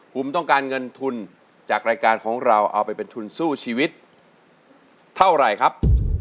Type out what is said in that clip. ผมต้องการเงินทุนจากรายการของเราเอาไปเป็นทุนสู้ชีวิตเท่าไหร่ครับ